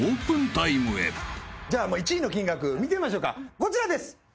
じゃあ１位の金額見てみましょうかこちらです。